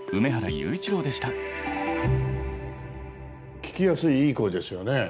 聞きやすいいい声ですよね。